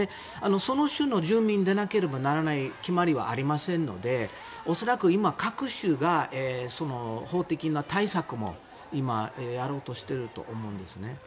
その州の住民でなければならない決まりはありませんので恐らく今、各州が法的な対策も今、やろうとしていると思うんですね。